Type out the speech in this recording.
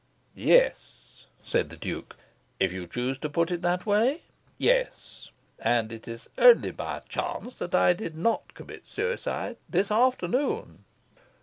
"Yes," said the Duke, "if you choose to put it in that way. Yes. And it is only by a chance that I did not commit suicide this afternoon."